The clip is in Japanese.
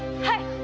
はい。